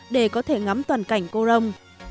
để có thể ngắm toàn cảnh corom